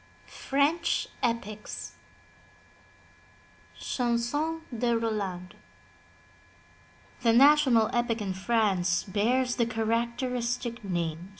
^FRENCH EPICS CHANSON DE ROLAND The national epic in France bears the characteristic name.